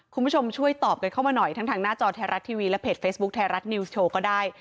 คุณผู้ชมช่วยตอบกันเข้ามาหน่อยทั้งทางหน้าจอไทยรัฐทีวีและเพจเฟซบุ๊คไทยรัฐนิวส์โชว์ก็ได้